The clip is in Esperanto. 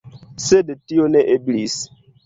Sed tio ne eblis.